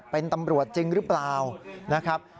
เป็นตำรวจจริงหรือเปล่านะครับ